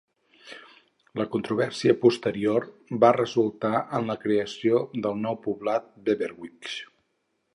La controvèrsia posterior va resultar en la creació del nou poblat Beverwijck.